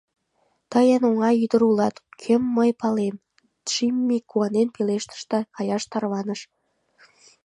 — Тый эн оҥай ӱдыр улат, кӧм мый палем, — Джимми куанен пелештыш да каяш тарваныш.